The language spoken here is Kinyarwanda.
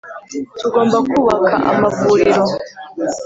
tugomba kubaka amavuriro